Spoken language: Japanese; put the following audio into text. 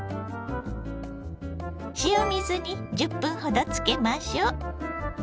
塩水に１０分ほどつけましょう。